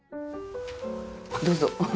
どうぞ。